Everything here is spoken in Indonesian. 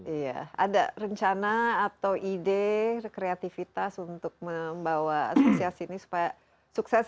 iya ada rencana atau ide kreativitas untuk membawa asosiasi ini supaya sukses